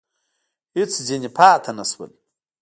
هېڅ ځني پاته نه شول !